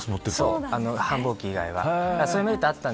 繁忙期以外は。